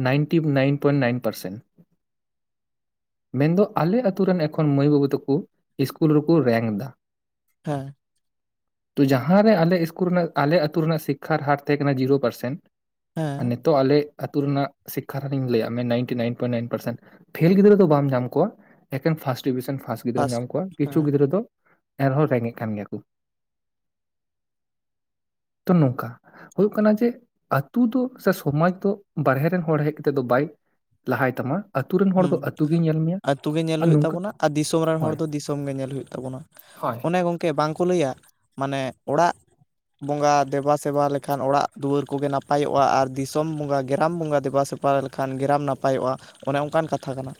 ninety nine point nine percent. ᱢᱮᱱᱫᱚ ᱟᱞᱮ ᱟᱛᱩ ᱨᱮᱱ ᱮᱠᱷᱚᱱ ᱢᱟᱹᱭ ᱵᱟᱹᱵᱩ ᱛᱟᱠᱚ ᱥᱠᱩᱞ ᱨᱮᱠᱚ ᱨᱮᱝᱠ ᱫᱟ ᱦᱮᱸ ᱛᱚ ᱡᱟᱦᱟᱸᱨᱮ ᱟᱞᱮ ᱥᱠᱩᱞ ᱨᱮᱱᱟᱜ ᱟᱞᱮ ᱟ ᱟᱹᱛᱩ ᱨᱮᱱᱟᱜ ᱥᱤᱠᱠᱷᱟ ᱦᱟᱟᱨᱴ ᱛᱟᱦᱮᱸ ᱠᱟᱱᱟ ᱡᱤᱨᱳ ᱯᱟᱨᱥᱮᱱ ᱟᱨ ᱦᱮᱸ ᱱᱤᱛᱚᱜ ᱟᱞᱮ ᱟᱹᱛᱩ ᱨᱮᱱᱟᱜ ᱥᱤᱠᱠᱷᱟᱱᱤᱧ ᱞᱟᱹᱭᱟᱫ ᱢᱮ ᱱᱟᱭᱤᱱᱴᱤ ᱱᱟᱭᱤᱱᱴᱤ ᱱᱟᱭᱤᱱ ᱯᱟᱨᱮᱱ ᱯᱷᱮᱞ ᱜᱤᱫᱽᱨᱟᱹ ᱫᱚ ᱵᱟᱢ ᱧᱟᱢ ᱠᱚᱣᱟ ᱮᱠᱮᱱ ᱯᱷᱟᱥᱴ ᱰᱤᱵᱷᱤᱥᱚᱱ ᱯᱷᱟᱥᱴ ᱜᱤᱫᱽᱨᱟᱹᱢ ᱯᱷᱟᱥ ᱧᱟᱢ ᱠᱚᱣᱟ ᱠᱤᱪᱷᱩ ᱦᱮᱸ ᱜᱤᱫᱽᱨᱟᱹ ᱫᱚ ᱮᱱᱦᱚᱸ ᱨᱮᱸᱜᱮᱡ ᱠᱟᱱ ᱜᱮᱭᱟ ᱠᱚ ᱛᱚ ᱱᱚᱝᱠᱟ᱾ ᱦᱩᱭᱩᱜ ᱠᱟᱱᱟ ᱡᱮ ᱟᱛᱩ ᱫᱚ ᱥᱮ ᱥᱚᱢᱟᱡᱽ ᱫᱚ ᱵᱟᱨᱦᱮ ᱨᱮᱱ ᱦᱚᱲ ᱦᱮᱡ ᱠᱟᱛᱮᱜ ᱫᱚ ᱵᱟᱭᱼᱼ ᱞᱟᱦᱟᱭ ᱛᱟᱢᱟ᱾ ᱦᱚᱲ ᱫᱚ ᱦᱩᱸ ᱟᱹᱛᱩ ᱜᱤ ᱧᱮᱜ ᱼᱼ ᱟᱹᱛᱩ ᱜᱮ ᱧᱮᱞ ᱦᱩᱭᱩᱜ ᱛᱟᱵᱚᱱᱟ ᱟᱨ ᱫᱤᱥᱚᱢ ᱨᱮᱱ ᱦᱚᱲ ᱦᱳᱭ ᱫᱚ ᱫᱤᱥᱚᱢ ᱜᱮ ᱧᱮᱞ ᱦᱩᱭᱩᱜ ᱛᱟᱵᱚᱱᱟ ᱦᱳᱭ ᱚᱱᱮ ᱜᱚᱝᱼᱼ ᱠᱮ ᱵᱟᱝ ᱠᱚ ᱞᱟᱹᱭᱟ ᱢᱟᱱᱮ ᱚᱲᱟᱜᱼᱼ ᱵᱚᱸᱜᱟ ᱫᱮᱵᱟᱼᱥᱮᱵᱟ ᱞᱮᱠᱷᱟᱱ ᱚᱲᱟᱜ ᱫᱩᱣᱟᱹᱨ ᱠᱚᱜᱮ ᱱᱟᱯᱟᱭᱚᱜ-ᱟ ᱟᱨ ᱫᱤᱥᱚᱢ ᱵᱚᱸᱜᱟ ᱜᱮᱨᱟᱢ ᱵᱚᱸᱜᱟ ᱫᱮᱵᱟᱼ ᱥᱮᱵᱽᱼᱼ ᱵᱟ ᱞᱮᱠᱷᱟᱱ ᱜᱮᱨᱟᱢ ᱱᱟᱯᱟᱭᱚᱜ-ᱟ ᱚᱱᱮ ᱚᱱᱠᱟᱱ ᱠᱟᱛᱷᱟ ᱠᱟᱱᱟ᱾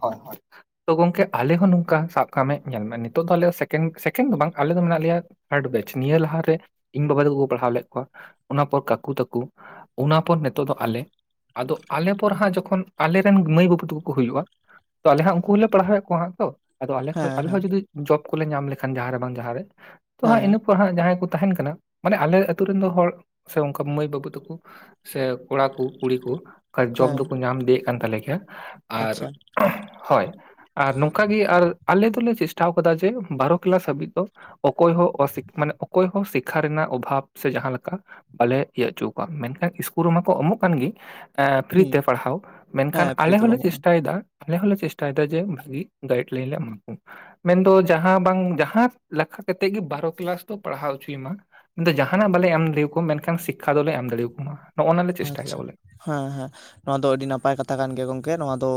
ᱦᱚᱭ ᱦᱚᱭ᱾ ᱛᱚ ᱜᱚᱝᱠᱮ ᱟᱞᱮ ᱦᱚᱸ ᱱᱚᱝᱠᱟ ᱥᱟᱵ ᱠᱟᱜ ᱢᱮ ᱧᱮᱞ ᱢᱮ ᱱᱤᱛᱚᱜ ᱫᱚ ᱟᱞᱮ ᱥᱮᱠᱮᱱ ᱥᱮᱠᱮᱱᱰ ᱫᱚ ᱵᱟᱝ ᱟᱞᱮ ᱫᱚ ᱢᱮᱱᱟᱜ ᱞᱮᱭᱟᱼᱼ ᱦᱮᱰ ᱵᱮᱪ ᱱᱤᱭᱟᱹ ᱞᱟᱦᱟ ᱨᱮ ᱤᱧ ᱵᱟᱵᱟ ᱛᱟᱹᱠᱩ ᱠᱚ ᱯᱟᱲᱦᱟᱣ ᱞᱮᱜ ᱠᱚᱣᱟ ᱚᱱᱟ ᱯᱚᱨ ᱠᱟᱠᱩ ᱛᱟᱹᱠᱩ᱾ ᱚᱱᱟ ᱯᱚᱨ ᱱᱤᱛᱚᱜ ᱫᱚ ᱟᱞᱮ ᱟᱫᱚ ᱟᱞᱮ ᱯᱚᱨ ᱦᱟᱸᱜ ᱡᱚᱠᱷᱚᱱ ᱟᱞᱮ ᱨᱮᱱ ᱢᱟᱹᱭ ᱵᱟᱹᱵᱩ ᱛᱟᱹᱠᱩ ᱠᱩ ᱦᱩᱭᱩᱜ-ᱟ ᱛᱚ ᱟᱞᱮ ᱦᱟᱸᱜ ᱩᱱᱠᱩᱞᱮ ᱯᱟᱲᱦᱟᱣᱮᱫ ᱠᱚᱣᱟ ᱦᱟᱸᱜ ᱛᱚ ᱟᱫᱚ ᱟᱞᱮ ᱠᱷᱚᱱ ᱦᱮᱸ ᱟᱞᱮᱦᱚᱸ ᱦᱮᱸ ᱡᱩᱫᱤ ᱡᱚᱵ ᱠᱚᱞᱮ ᱧᱟᱢ ᱞᱮᱠᱷᱟᱱ ᱡᱟᱦᱟᱸ ᱨᱮ ᱵᱟᱝ ᱡᱟᱦᱟᱸ ᱨᱮ ᱛᱚ ᱦᱟᱸᱜ ᱦᱮᱸ ᱤᱱᱟᱹ ᱦᱟᱸᱜ ᱡᱟᱦᱟᱸᱭ ᱠᱚ ᱛᱟᱦᱮᱱ ᱠᱟᱱᱟ ᱢᱟᱱᱮ ᱟᱞᱮ ᱟᱛᱩ ᱨᱮᱱ ᱫᱚ ᱦᱚᱲ ᱥᱮ ᱚᱱᱠᱟ ᱢᱟᱹᱭ ᱵᱟᱹᱵᱩ ᱛᱟᱠᱚ ᱥᱮ ᱠᱚᱲᱟᱠᱩ ᱠᱩᱲᱤ ᱠᱚ ᱡᱚᱵ ᱦᱮᱸ ᱫᱚᱠᱚ ᱧᱟᱢᱤᱫᱤᱭᱮᱫ ᱠᱟᱱ ᱛᱟᱞᱮ ᱜᱮᱭᱟ ᱾ ᱟᱨ ᱟᱪᱪᱷᱟ ᱦᱚᱭ᱾ ᱟᱨ ᱱᱩᱝᱠᱟ ᱜᱮ ᱟᱨ ᱟᱞᱮ ᱫᱚᱞᱮ ᱪᱤᱥᱴᱟᱣ ᱠᱟᱫᱟ ᱡᱮ ᱵᱟᱨᱚ ᱠᱤᱞᱟᱥ ᱦᱟᱵᱤᱡ ᱫᱚᱼᱼ ᱚᱠᱚᱭ ᱦᱚᱸ ᱚ ᱥᱤᱠᱷ ᱢᱟᱱᱮ ᱚᱠᱚᱭ ᱦᱚᱸ ᱥᱤᱠᱠᱷᱟ ᱨᱮᱱᱟᱜ ᱚᱵᱷᱟᱵᱽ ᱥᱮ ᱡᱟᱦᱟᱸ ᱞᱮᱠᱟᱼᱼ ᱵᱟᱞᱮ ᱤᱭᱟᱹ ᱚᱪᱩᱣ ᱠᱚᱣᱟ ᱢᱮᱱᱠᱷᱟᱱ ᱤᱥᱠᱩᱞ ᱨᱮᱢᱟ ᱠᱚ ᱮᱢᱚᱜ ᱠᱟᱱ ᱜᱤ᱾ ᱮᱸ ᱯᱷᱨᱤ ᱛᱮ ᱦᱩᱸ ᱯᱟᱲᱦᱟᱣ ᱢᱮᱱᱠᱷᱟᱱ ᱦᱮᱸ ᱯᱷᱨᱤ ᱟᱞᱮ ᱛᱮᱠᱚ ᱦᱚᱸᱞᱮ ᱮᱢᱚᱜᱼᱟ᱾ ᱪᱮᱥᱴᱟ ᱭᱮᱫᱟ᱾ ᱟᱞᱮ ᱦᱚᱸᱞᱮ ᱪᱮᱥᱴᱟᱭ ᱫᱟ ᱡᱮ ᱵᱷᱟᱜᱤ ᱜᱟᱭᱤᱰ ᱞᱟᱭᱤᱱ ᱞᱮ ᱮᱢᱟ ᱠᱚ ᱢᱟ᱾ ᱢᱮᱱ ᱫᱚ ᱡᱟᱦᱟᱸ ᱵᱟᱝ ᱡᱟᱦᱟᱸ ᱞᱮᱠᱷᱟ ᱠᱟᱛᱮᱜ ᱜᱮ ᱵᱟᱨᱚ ᱠᱤᱞᱟᱥ ᱫᱚ ᱯᱟᱲᱦᱟᱣ ᱚᱪᱩᱭᱤ ᱢᱟ᱾ ᱠᱤᱱᱛᱩ ᱡᱟᱦᱟᱸ ᱱᱟᱜ ᱵᱟᱞᱮ ᱮᱢ ᱫᱟᱹᱲᱤᱣ ᱠᱩ ᱢᱮᱱᱠᱷᱟᱱ ᱥᱤᱠᱠᱷᱟ ᱫᱚᱞᱮ ᱮᱢ ᱫᱟᱹᱲᱤᱣ ᱠᱩᱢᱟ ᱱᱚᱜ-ᱚᱱᱟ ᱞᱮ ᱪᱮᱥᱴᱟᱭ ᱫᱟ ᱟᱪᱪᱷᱟ ᱵᱚᱞᱮ᱾ ᱦᱮᱸ ᱦᱮᱸ ᱱᱚᱣᱟ ᱫᱚ ᱟᱹᱰᱤ ᱱᱟᱯᱟᱭ ᱠᱟᱛᱷᱟ ᱠᱟᱱ ᱜᱮᱭᱟ ᱜᱚᱝᱠᱮ ᱱᱚᱣᱟ ᱫᱚ᱾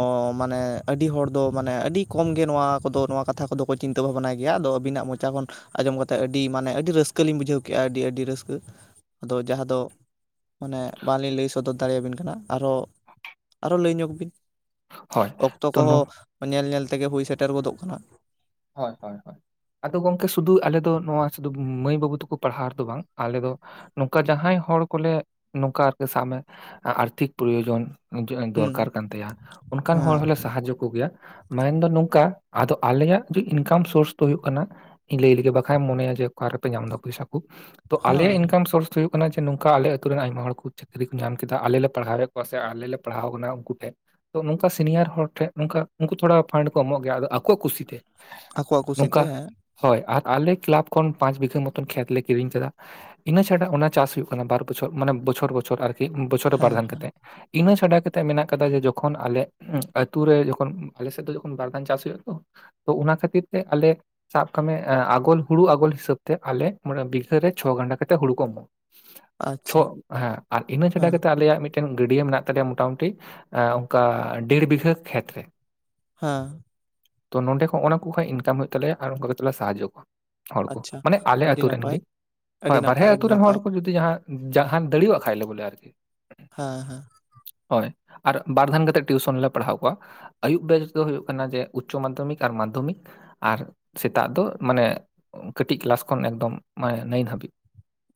ᱚᱻ ᱢᱟᱱᱮ ᱟᱹᱰᱤ ᱦᱚᱲ ᱫᱚ ᱢᱟᱱᱮ ᱟᱹᱰᱤ ᱠᱚᱢ ᱜᱮ ᱱᱚᱣᱟ ᱠᱚᱫᱚ ᱱᱚᱣᱟ ᱠᱟᱛᱷᱟ ᱠᱚᱫᱚ ᱠᱚ᱾ ᱪᱤᱱᱛᱟᱹ ᱵᱷᱟᱵᱽᱱᱟ ᱜᱮᱣᱟ ᱟᱫᱚ ᱟᱹᱵᱤᱱᱟᱜ ᱢᱚᱪᱟ ᱠᱷᱚᱱ᱾ ᱟᱸᱡᱚᱢ ᱠᱟᱛᱮᱜ ᱟᱹᱰᱤ ᱢᱟᱱᱮ ᱟᱹᱰᱤ ᱨᱟᱹᱥᱠᱟᱹ ᱞᱤᱧ ᱵᱩᱡᱷᱟᱹᱣ ᱠᱮᱜ-ᱟ ᱟᱹᱰᱤ ᱟᱹᱰᱤ ᱨᱟᱹᱥᱠᱟᱹ ᱟᱫᱚ ᱡᱟᱦᱟᱸ ᱫᱚ᱾ ᱢᱟᱱᱮ ᱵᱟᱝ ᱞᱤᱧ ᱞᱟᱹᱭ ᱥᱚᱫᱚᱨ ᱫᱟᱲᱮ ᱟᱵᱤᱱ ᱠᱟᱱᱟ ᱟᱨᱚ ᱟᱨᱚ ᱞᱟᱹᱭ ᱧᱚᱜᱽ ᱵᱤᱱ᱾ ᱦᱳᱭ ᱚᱠᱛᱚ ᱛᱚ ᱱᱚ ᱠᱚᱦᱚᱸ ᱧᱮᱞ ᱧᱮᱞ ᱛᱮᱜᱮ ᱦᱩᱭ ᱥᱮᱴᱮᱨ ᱜᱚᱫᱚᱜ ᱠᱟᱱᱟ᱾ ᱦᱚᱭ ᱦᱚᱭ ᱦᱚᱭ᱾ ᱟᱫᱚ ᱜᱚᱝᱠᱮ ᱥᱩᱫᱩ ᱟᱞᱮ ᱫᱚ ᱱᱚᱣᱟ ᱥᱩᱫᱩ ᱢᱟᱹᱭ ᱵᱟᱹᱵᱩ ᱛᱟᱹᱠᱩ ᱯᱟᱲᱦᱟᱣ ᱨᱮᱫᱚ ᱵᱟᱝ ᱟᱞᱮ ‌ᱫᱚ᱾ ᱱᱚᱝᱠᱟ ᱡᱟᱦᱟᱸᱭ ᱦᱚᱲ ᱠᱚᱞᱮ ᱱᱚᱝᱠᱟ ᱟᱨ ᱠᱤ ᱥᱟᱵᱽ ᱢᱮ ᱟᱨᱛᱷᱤᱠ ᱯᱨᱳᱭᱳᱡᱚᱱ᱾ ᱡᱮᱸ ᱦᱩᱸ ᱫᱚᱨᱠᱟᱨ ᱠᱟᱱ ᱛᱟᱣᱟ ᱚᱱᱠᱟᱱ ᱦᱚᱲ ᱦᱮᱸ ᱦᱚᱸᱞᱮ ᱥᱟᱦᱟᱡᱳᱜᱽ ᱦᱩᱠ ᱜᱮᱭᱟ ᱢᱮᱱ ᱫᱚ ᱱᱚᱝᱠᱟ ᱟᱫᱚ ᱟᱞᱮᱱ ᱟᱜ᱾ ᱡᱮ ᱤᱱᱠᱟᱢ ᱥᱳᱨᱥ ᱫᱚ ᱦᱩᱭᱩᱜ ᱠᱟᱱᱟ ᱤᱧ ᱞᱟᱹᱭ ᱞᱮᱜᱮ ᱵᱟᱠᱷᱟᱡ ᱮᱢ ᱢᱚᱱᱮᱭᱟ ᱡᱮ ᱚᱠᱟ ᱨᱮᱯᱮ ᱧᱟᱢ ᱫᱟ ᱯᱚᱭᱥᱟ ᱠᱩ᱾ ᱛᱚ ᱟᱞᱮᱭᱟᱜ ᱦᱮᱸ ᱤᱱᱠᱟᱢ ᱥᱳᱨᱥ ᱫᱚ ᱦᱩᱭᱩᱜ ᱠᱟᱱᱟ ᱡᱮ ᱱᱚᱝᱠᱟ ᱟᱞᱮ ᱟᱹᱛᱩ ᱨᱮᱱ ᱟᱭᱢᱟ ᱦᱚᱲ ᱠᱩ ᱪᱟᱠ᱾ ᱪᱟᱹᱠᱨᱤ ᱠᱚ ᱧᱟᱢ ᱠᱮᱫᱟ ᱟᱞᱮ ᱞᱮ ᱯᱟᱲᱦᱟᱣᱮᱜ ᱠᱚᱣᱟ ᱥᱮ ᱟᱞᱮ ᱞᱮ ᱯᱟᱲᱦᱟᱣ ᱠᱟᱱᱟ ᱩᱱᱠᱩ ᱴᱷᱮᱜ᱾ ᱛᱚ ᱱᱚᱝᱠᱟ ᱥᱤᱱᱤᱭᱟᱨ ᱦᱚᱲ ᱴᱷᱮᱱ ᱱᱚᱝᱠᱟ ᱩᱱᱠᱩ ᱛᱷᱚᱲᱟ ᱯᱷᱟᱱᱰ ᱠᱚ ᱮᱢᱚᱜ ᱜᱮᱭᱟ ᱟᱫᱚ ᱟᱠᱚᱣᱟᱜ ᱠᱩᱥᱤ ᱛᱮ᱾ ᱟᱠᱚᱣᱟᱜ ᱠᱩᱥᱤ ᱛᱮ ᱮᱸᱜᱼᱼ ᱦᱚᱭ ᱟᱨ ᱟᱞᱮ ᱠᱤᱞᱟᱵᱽ ᱠᱷᱚᱱ ᱯᱟᱸᱪ ᱵᱤᱜᱷᱟᱹ ᱢᱚᱛᱚᱱ ᱠᱷᱮᱛ ᱞᱮ ᱠᱤᱨᱤᱧ ᱠᱟᱫᱟ᱾ ᱤᱱᱟᱹ ᱪᱷᱟᱰᱟ ᱚᱱᱟ ᱪᱟᱥ ᱦᱩᱭᱩᱜ ᱠᱟᱱᱟ ᱵᱟᱨ ᱵᱚᱪᱷᱚᱨ ᱢᱟᱱᱮ ᱵᱚᱪᱷᱚᱨ ᱵᱚᱪᱷᱚᱨ ᱟᱨᱠᱤ ᱵᱚᱪᱷᱚᱨ ᱨᱮ ᱵᱟᱨ ᱦᱮᱸ ᱫᱷᱟᱱ ᱠᱟᱛᱮᱜ᱾ ᱤᱱᱟᱹ ᱪᱷᱟᱰᱟ ᱠᱟᱛᱮᱜ ᱢᱮᱱᱟᱜ ᱠᱟᱫᱟ ᱡᱮ ᱡᱚᱠᱷᱚᱱ ᱟᱞᱮ ᱩᱸ ᱟᱹᱛᱩ ᱨᱮ ᱡᱚᱠᱷᱚᱱ ᱩᱢ ᱟᱞᱮ ᱥᱮᱜ ᱫᱚ ᱡᱚᱠᱷᱚᱱ ᱵᱟᱨ ᱫᱷᱟᱱ ᱪᱟᱥ ᱦᱩᱭᱩᱜ-ᱟ ᱛᱚ᱾ ᱛᱚ ᱚᱱᱟ ᱠᱷᱟᱹᱛᱤᱨ ᱛᱮ ᱟᱞᱮ᱾ ᱥᱟᱵ ᱠᱟᱜ ᱢᱮ ᱮᱸ ᱟᱜᱚᱞ ᱦᱩᱲᱩ ᱟᱜᱚᱞ ᱦᱤᱥᱟᱹᱵᱽ ᱛᱮ ᱟᱞᱮ ᱢᱟᱱᱮ ᱵᱤᱜᱷᱟᱹ ᱨᱮ ᱪᱷᱚ ᱜᱟᱱᱰᱟ ᱠᱟᱛᱮᱜ ᱦᱩᱲᱩ ᱠᱚ ᱮᱢᱚᱜᱼᱟ ᱟᱪᱪᱷᱟ ᱪᱷᱚᱜ ᱦᱮᱸ ᱟᱨ ᱤᱱᱟᱹ ᱪᱷᱟᱰᱟ ᱦᱮᱸ ᱠᱟᱛᱮᱜ ᱟᱞᱮᱭᱟᱜ ᱢᱤᱫ᱾ ᱮᱠᱮᱱ ᱜᱟᱹᱰᱭᱟᱹ ᱢᱮᱱᱟᱜ ᱛᱟᱞᱮᱭᱟ ᱢᱚᱴᱟᱼᱢᱩᱴᱤ ᱮᱸ ᱚᱱᱠᱟ ᱰᱮᱲ ᱵᱤᱜᱷᱟᱹ ᱠᱷᱮᱛ ᱨᱮ᱾ ᱦᱮᱸ᱾ ᱛᱚ ᱱᱚᱸᱰᱮ ᱠᱷᱚᱱ ᱚᱱᱮ ᱠᱩ ᱠᱷᱚᱡ ᱤᱱᱠᱟᱢ ᱦᱩᱭᱩᱜ ᱛᱟᱞᱮᱭᱟ ᱟᱨ ᱚᱱᱠᱟ ᱠᱟᱛᱮᱜ ᱞᱮ ᱥᱟᱦᱟᱡᱚᱜᱽ ᱠᱚᱣᱟ᱾ ᱦᱟᱪ ᱥᱮ ᱵ ᱩᱢ ᱤᱡ ᱩᱱ ᱟᱪᱪᱷᱟ ᱢᱟᱱᱮ ᱟᱞᱮ ᱟᱹᱰᱤ ᱟᱹᱛᱩ ᱨᱮᱱ ᱱᱟᱯᱟᱭ ᱜᱮ ᱦᱚᱭ ᱟᱹᱰᱤ ᱵᱟᱨᱦᱮ ᱱᱟᱯᱟᱭ ᱟᱹ ᱟᱹᱰᱤ ᱟᱹᱛᱩᱨᱩ ᱨᱮᱱ ᱦᱚᱲ ᱱᱟᱯᱟᱭ ᱠᱚᱠᱠ ᱡᱩᱫᱤᱼᱼᱠᱚᱚᱚᱮ ᱡᱟᱦᱟᱸ ᱡᱟᱦᱟᱸᱱ ᱫᱟᱹᱲᱤ ᱣᱟᱜ ᱠᱷᱟᱡ ᱞᱮ ᱵᱚᱞᱮ ᱟᱨᱠᱤ᱾ ᱦᱮᱸ ᱦᱮᱸ᱾ ᱦᱳᱭ ᱟᱨ ᱵᱟᱨ ᱫᱷᱟᱱ ᱠᱟᱛᱮᱜ ᱴᱤᱭᱩᱥᱚᱱ ᱞᱮ ᱯᱟᱲᱦᱟᱣ ᱠᱚᱣᱟ ᱟᱹᱭᱩᱵ ᱵᱮᱲᱟ ᱫᱚ ᱦᱩᱭᱩᱜ ᱠᱟᱱᱟ ᱡᱮ ᱩᱪᱪᱚ ᱢᱟᱫᱽᱫᱷᱚᱢᱤᱠ ᱟᱨ ᱢᱟᱫᱽᱫᱷᱚᱢᱤᱠ᱾ ᱟᱨ ᱥᱮᱛᱟᱜ ᱫᱚ ᱢᱟᱱᱮ ᱠᱟᱹᱴᱤᱡ ᱠᱞᱟᱥ ᱠᱷᱚᱱ ᱮᱠᱫᱚᱢ ᱢᱟᱱᱮ ᱱᱟᱹᱭᱤᱱ ᱦᱟᱹᱵᱤᱡ᱾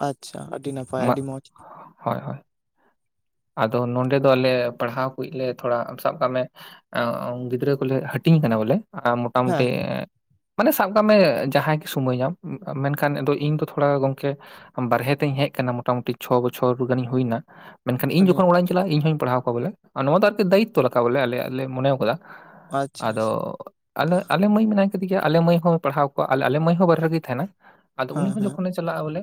ᱟᱪᱪᱷᱟ ᱟᱹᱰᱤ ᱱᱟᱯᱟᱭ ‌ᱢᱟᱜ ᱟᱹᱰᱤ ᱢᱚᱸᱡᱽ ᱦᱳᱭ ᱦᱳᱭ ᱟᱫᱚ ᱱᱚᱰᱮ ᱫᱚ ᱟᱞᱮ ᱯᱟᱲᱦᱟᱣ ᱠᱩᱭᱞᱮ ᱛᱷᱚᱲᱟ ᱥᱟᱵ ᱠᱟᱜ ᱢᱮ ᱮᱸ ᱜᱤᱫᱽᱨᱟᱹ ᱠᱚᱞᱮ ᱦᱟᱹᱴᱤᱧ ᱠᱟᱱᱟ ᱵᱚᱞᱮ ᱢᱳᱚᱴᱟᱢᱩᱴᱤ ᱦᱮᱸ ᱢᱟᱱᱮ ᱥᱟᱵ ᱠᱟᱜ ᱢᱮ ᱡᱟᱦᱟᱸᱭ ᱜᱮ ᱥᱚᱢᱚᱭ ᱧᱟᱢ ᱢᱮᱱᱠᱷᱟᱱ ᱟᱫᱚ ᱤᱧ ᱫᱚ ᱛᱷᱚᱲᱟ ᱜᱚᱢᱠᱮ᱾ ᱵᱟᱨᱦᱮᱸ ᱛᱤᱧ ᱦᱮᱡ ᱟᱠᱟᱱᱟ ᱢᱳᱴᱟᱢᱩᱴᱤ ᱪᱷᱚ ᱵᱚᱪᱷᱚᱨ ᱜᱟᱱᱤᱧ ᱦᱩᱭᱱᱟ ᱢᱮᱱᱠᱷᱟᱱ ᱤᱧ ᱟᱹᱰᱤ ᱡᱚᱡᱷᱚᱱ ᱚᱲᱟᱜ ᱤᱧᱪᱟᱞᱟᱜ-ᱟ ᱤᱧ ᱦᱩᱧ ᱯᱟᱲᱦᱟᱣ ᱠᱚᱣᱟ ᱵᱚᱞᱮ ᱱᱚᱣᱟ ᱫᱚ ᱟᱨᱠᱤ ᱫᱟᱭᱤᱛᱚ ᱞᱮᱠᱟ ᱵᱚᱞᱮ ᱟᱞᱮ ᱞᱮ ᱢᱚᱱᱮᱣ ᱟᱠᱟᱫᱟ᱾ ᱟᱪᱪᱷᱟ ᱟᱫᱚ ᱟᱪᱪᱷᱟ ᱟᱞᱮ ᱟᱞᱮ ᱢᱟᱹᱭ ᱢᱮᱱᱟᱭ ᱠᱟᱹᱫᱤ ᱜᱮᱣᱟ ᱟᱞᱮ ᱢᱟᱹᱭ ᱦᱚᱸ ᱯᱟᱲᱦᱟᱣ ᱠᱚᱣᱟ ᱟᱞᱮ ᱢᱟᱹᱭ ᱦᱚᱸ ᱵᱟᱨᱦᱮ ᱨᱤᱜᱤᱭ ᱛᱟᱦᱮᱱᱟ ᱟᱫᱚ ᱩᱱᱤ ᱦᱮᱸ ᱦᱚᱸ ᱦᱮᱸ ᱡᱚᱠᱷᱚᱱᱮ᱾ ᱪᱟᱞᱟᱜ-ᱟ ᱵᱚᱞᱮ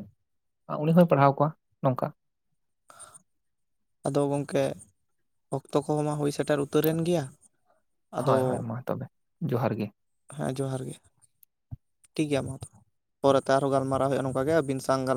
ᱩᱱᱤ ᱦᱚᱸᱭ ᱯᱟᱲᱦᱟᱣ ᱠᱚᱣᱟ ᱱᱚᱝᱠᱟ᱾ ᱟᱫᱚ ᱜᱚᱝᱠᱮ ᱚᱠᱛᱚ ᱠᱚᱦᱚᱸ ᱢᱟ ᱦᱩᱭ ᱥᱮᱴᱮᱨ ᱩᱛ ᱦᱳᱭ ᱦᱳᱭ ᱢᱟ ᱛᱚᱵᱮ ᱡᱚᱸᱦᱟᱨ ᱜᱮ᱾ ᱦᱮᱸ ᱡᱚᱸᱦᱟᱨ ᱜᱮ᱾ ᱴᱷᱤᱠ ᱜᱮᱣᱟ ᱢᱟ ᱛᱚᱵᱮ ᱯᱚᱨᱮᱛᱮᱦᱚᱸ ᱜᱟᱞᱢᱟᱨᱟᱣ ᱦᱩᱭᱩᱜᱼᱟ ᱱᱚᱝᱠᱟ ᱜᱮᱸ ᱟᱵᱤᱱ ᱥᱟᱶ ᱜᱟᱞ᱾